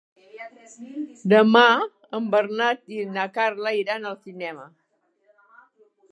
Demà en Bernat i na Carla iran al cinema.